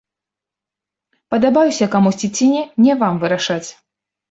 Падабаюся я камусьці ці не, не вам вырашаць.